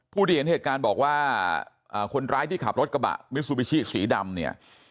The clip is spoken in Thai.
ที่เห็นเหตุการณ์บอกว่าคนร้ายที่ขับรถกระบะมิซูบิชิสีดำเนี่ย